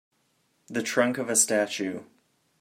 The trunk of a statue